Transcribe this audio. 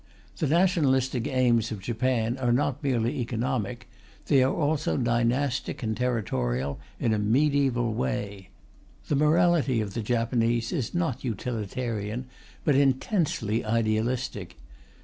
The nationalistic aims of Japan are not merely economic; they are also dynastic and territorial in a mediæval way. The morality of the Japanese is not utilitarian, but intensely idealistic.